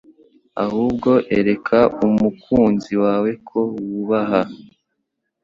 ahubwo ereka umukunzi wawe ko wubaha